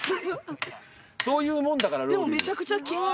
そういうもんだからロウリュ。